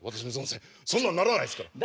そんなんならないですから。